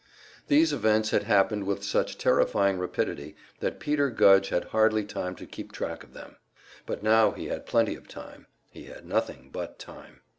These events had happened with such terrifying rapidity that Peter Gudge had hardly time to keep track of them. But now he had plenty of time, he had nothing but time.